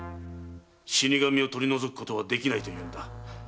「死神を取り除くことはできない」と言うのだ。